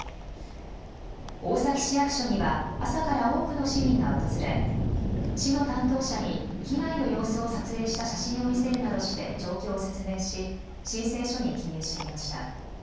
大崎市役所には朝から多くの市民が訪れ、市の担当者に被害の様子を撮影した写真を見せるなどして状況を説明し申請書に記入していました。